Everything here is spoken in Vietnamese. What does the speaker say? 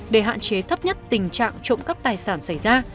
để hạn chế thấp nhất tình trạng trộm cắp tài sản xảy ra